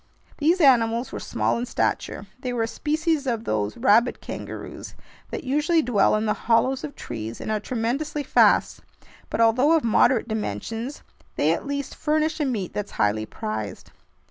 These animals were small in stature. They were a species of those "rabbit kangaroos" that usually dwell in the hollows of trees and are tremendously fast; but although of moderate dimensions, they at least furnish a meat that's highly prized.